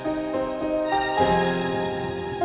sampai jumpa lagi